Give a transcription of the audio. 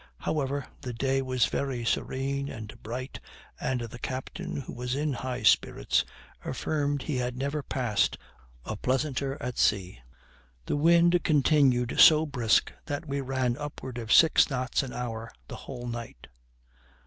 However, the day was very serene and bright, and the captain, who was in high spirits, affirmed he had never passed a pleasanter at sea. The wind continued so brisk that we ran upward of six knots an hour the whole night.